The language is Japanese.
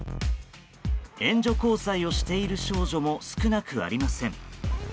援助交際をしている少女も少なくありません。